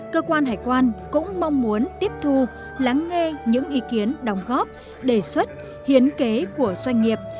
cơ quan hải quan cũng mong muốn tiếp thu lắng nghe những ý kiến đồng góp đề xuất hiến kế của doanh nghiệp